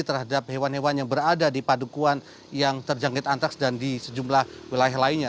terhadap hewan hewan yang berada di padukuan yang terjangkit antraks dan di sejumlah wilayah lainnya